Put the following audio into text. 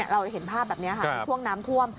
เราเห็นภาพแบบนี้ค่ะช่วงน้ำท่วม